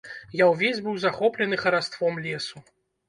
Я ўвесь быў захоплены хараством лесу.